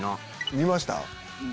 見ました？